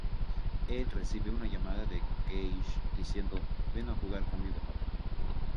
Él recibe una llamada de "Gage" diciendo: ""Ven a jugar conmigo papá.